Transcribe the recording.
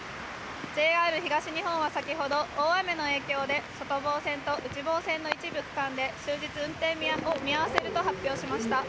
ＪＲ東日本は先ほど大雨の影響で外房線と内房線の一部区間で終日運転を見合わせると発表しました。